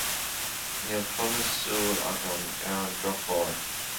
Níl cumas siúil agam, ar an drochuair.